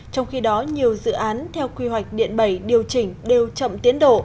trong khi đó nhiều dự án theo quy hoạch điện bảy điều chỉnh đều chậm tiến độ